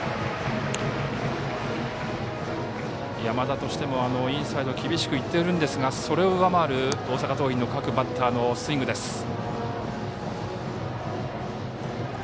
山田としてもインサイド厳しくいっているんですがそれを上回る大阪桐蔭の各バッターのスイングです。